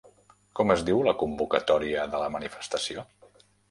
Com es diu la convocatòria de la manifestació?